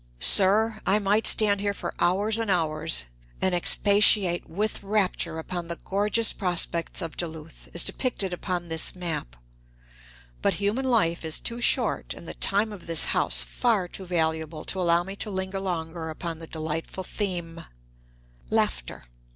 Sir, I might stand here for hours and hours, and expatiate with rapture upon the gorgeous prospects of Duluth, as depicted upon this map. But human life is too short and the time of this House far too valuable to allow me to linger longer upon the delightful theme,